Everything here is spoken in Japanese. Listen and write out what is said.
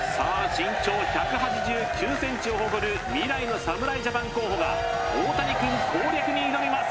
身長１８９ｃｍを誇る未来の侍ジャパン候補がオオタニくん攻略に挑みます